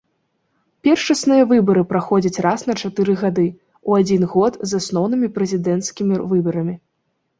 Першасныя выбары праходзяць раз на чатыры годы, у адзін год з асноўнымі прэзідэнцкімі выбарамі.